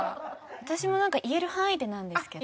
私も言える範囲でなんですけど。